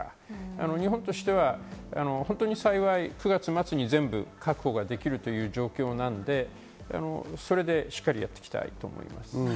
日本としては幸い９月末に全部確保ができるという状況なので、それでしっかりやっていきたいと思います。